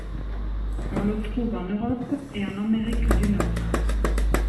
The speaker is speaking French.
On le trouve en Europe et en Amérique du Nord.